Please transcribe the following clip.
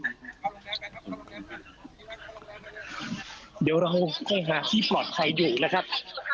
เดี๋ยวเราไปหาที่ปลอดภัยอยู่นะครับ